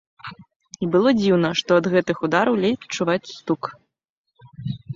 І было дзіўна, што ад гэтых удараў ледзь чуваць стук.